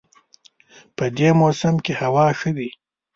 په دې موسم کې هوا ښه وي